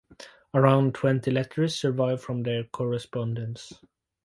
Around twenty letters survive from their correspondence.